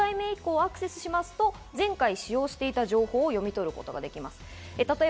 ２回目以降はアクセスしますと、前回使用した情報を読み取ることができます。